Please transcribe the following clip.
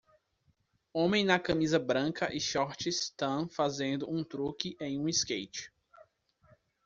Homem na camisa branca e shorts tan fazendo um truque em um skate.